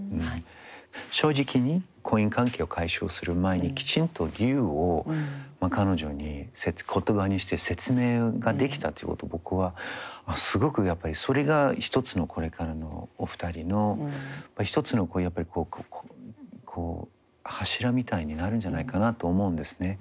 正直に婚姻関係を解消する前にきちんと理由を彼女に言葉にして説明ができたということ僕はすごくやっぱりそれが一つのこれからのお二人の一つのやっぱりこう柱みたいになるんじゃないかなと思うんですね。